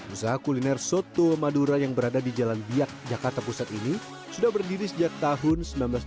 usaha kuliner soto madura yang berada di jalan biak jakarta pusat ini sudah berdiri sejak tahun seribu sembilan ratus sembilan puluh